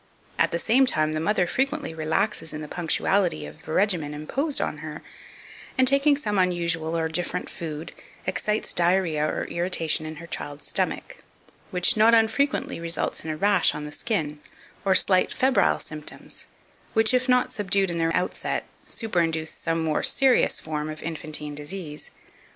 At the same time the mother frequently relaxes in the punctuality of the regimen imposed on her, and, taking some unusual or different food, excites diarrhoea or irritation in her child's stomach, which not unfrequently results in a rash on the skin, or slight febrile symptoms, which, if not subdued in their outset, superinduce some more serious form of infantine disease.